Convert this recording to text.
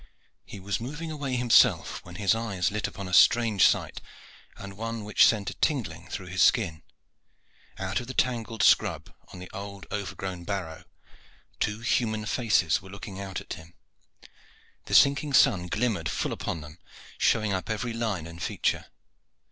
He was moving away himself, when his eyes lit upon a strange sight, and one which sent a tingling through his skin. Out of the tangled scrub on the old overgrown barrow two human faces were looking out at him; the sinking sun glimmered full upon them, showing up every line and feature.